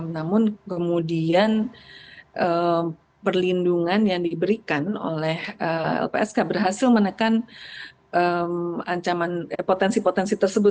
namun kemudian perlindungan yang diberikan oleh lpsk berhasil menekan potensi potensi tersebut